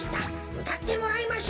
うたってもらいましょう。